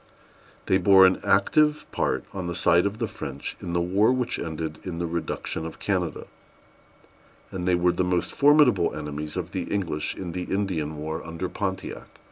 They bore an active part, on the side of the French, in the war which ended in the reduction of Canada; and they were the most formidable enemies of the English in the Indian war under Pontiac.